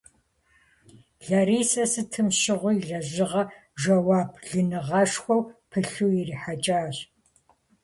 Ларисэ сытым щыгъуи и лэжьыгъэр жэуаплыныгъэшхуэ пылъу ирихьэкӏащ.